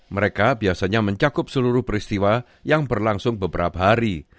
mereka biasanya mencakup seluruh peristiwa yang berlangsung beberapa hari